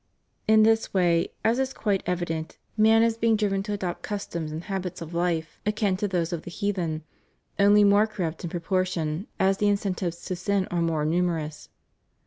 In this way, as is quite evident, man is being driven to adopt customs and habits of life akin THE REUNION OF CHRISTENDOM. 315 to those of the heathen, only more corrupt in proportion as the incentives to sin are more numerous.